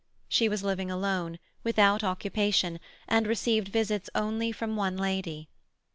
She was living alone, without occupation, and received visits only from one lady.